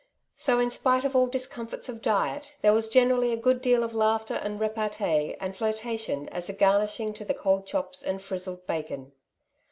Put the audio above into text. '' So, in spite of all discomforts of diet, there was generally a good deal of laughter and repartee and flirtation as a gar nishing to the cold chops and frizzled bacon.